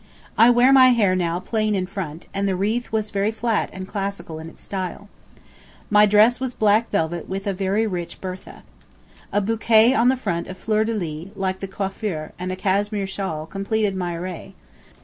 I wear my hair now plain in front, and the wreath was very flat and classical in its style. My dress was black velvet with a very rich bertha. A bouquet on the front of fleur de lis, like the coiffure, and a Cashmere shawl, completed my array.